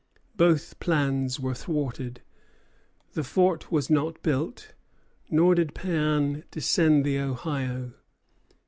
Both plans were thwarted; the fort was not built, nor did Péan descend the Ohio.